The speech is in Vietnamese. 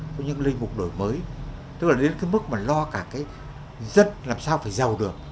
có những linh mục đổi mới tức là đến cái mức mà lo cả cái dân làm sao phải giàu được